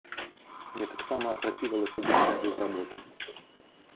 Мне таксама апрацівела сядзець тут без работы.